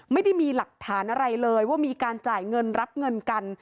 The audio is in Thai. ไม่ได้มีหลักฐานอะไรเลยว่ามีการจ่ายเงินรับเงินกัน